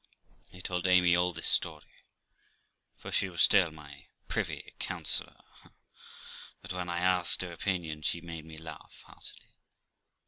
I told Amy all this story, for she was still my privy councillor; but when I asked her opinion, she made me laugh heartily.